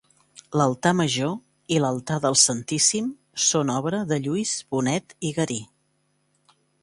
L'altar major i l'altar del Santíssim són obra de Lluís Bonet i Garí.